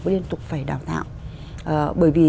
phải liên tục phải đào tạo bởi vì